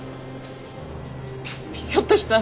ひょっとしたら。